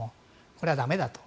これは駄目だと。